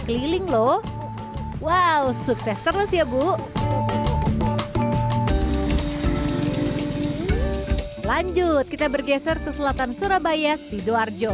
keliling loh wow sukses terus ya bu lanjut kita bergeser ke selatan surabaya sidoarjo